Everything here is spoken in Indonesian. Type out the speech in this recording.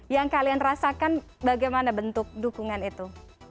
yang kalian rasakan bagaimana bentuk dukungan itu